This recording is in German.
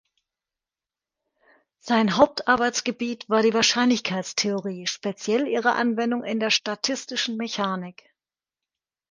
Sein Hauptarbeitsgebiet war die Wahrscheinlichkeitstheorie, speziell ihre Anwendung in der statistischen Mechanik.